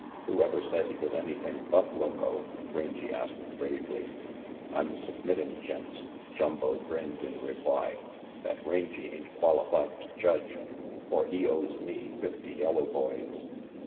"Who ever said he was anything but loco?" Rangy asked gravely. "I'm submitting, gents," Jumbo grinned in reply, "that Rangy ain't qualified to judge. For he owes me fifty yellow boys."